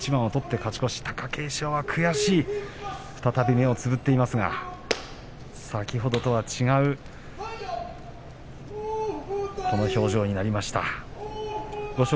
貴景勝は悔しい再び目をつぶっていますが先ほどとは違うこの表情になりました。